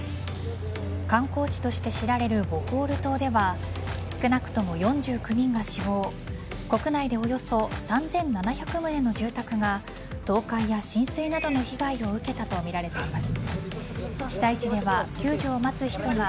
観光地として知られるボホール島では少なくとも４９人が死亡国内でおよそ３７００棟の住宅が倒壊や浸水などの被害を受けたとみられています。